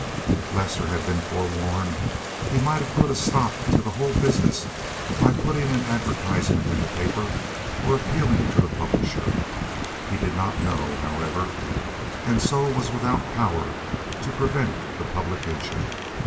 If Lester had been forewarned he might have put a stop to the whole business by putting an advertisement in the paper or appealing to the publisher. He did not know, however, and so was without power to prevent the publication.